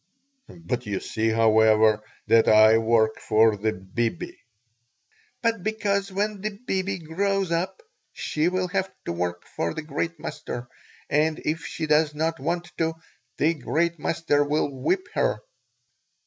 "But you see, however, that I work for the 'bibi.'" "But because when the 'bibi' grows up she will have to work for the great master, and, if she does not want to, the great master will whip her."